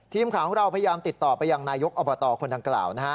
ทีมข่าวของเราพยายามติดต่อไปยังนายกอบตคนดังกล่าวนะฮะ